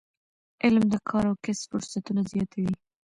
علم د کار او کسب فرصتونه زیاتوي.